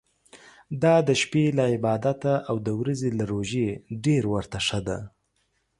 دا د شپې له عبادته او د ورځي له روژې ډېر ورته ښه ده.